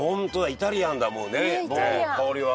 イタリアンだもうね香りは。